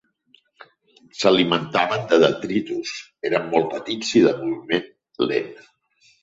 S'alimentaven de detritus, eren molt petits i de moviment lent.